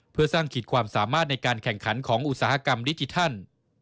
เพื่อสร้างขีดความสามารถในการแข่งขันของอุตสาหกรรมดิจิทัล